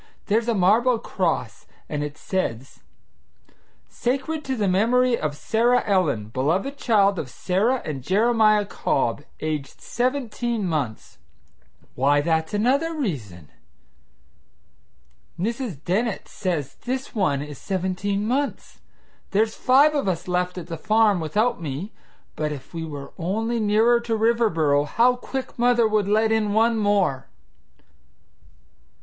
There's a marble cross, and it says: SACRED TO THE MEMORY OF SARAH ELLEN, BELOVED CHILD OF SARAH AND JEREMIAH COBB, AGED 17 MONTHS. Why, that's another reason; Mrs. Dennett says this one is seventeen months. There's five of us left at the farm without me, but if we were only nearer to Riverboro, how quick mother would let in one more!"